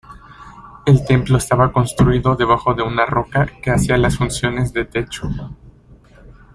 El templo estaba construido debajo de una roca que hacía las funciones de techo.